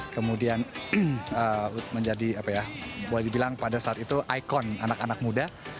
kemudian menjadi apa ya boleh dibilang pada saat itu ikon anak anak muda